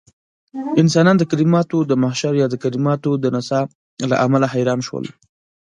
انسانان د کليماتو د محشر يا د کليماتو د نڅاه له امله حيران شول.